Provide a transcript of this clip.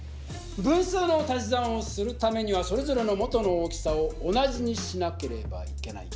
分数の足し算をするためにはそれぞれの元の大きさを同じにしなければいけない。